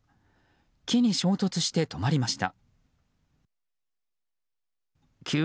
木に衝突して止まりました。